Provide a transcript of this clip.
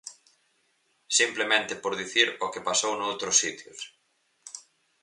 Simplemente por dicir o que pasou noutros sitios.